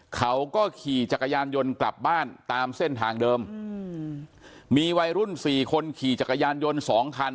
เขาก็ขี่จักรยานยนต์กลับบ้านตามเส้นทางเดิมอืมมีวัยรุ่นสี่คนขี่จักรยานยนต์สองคัน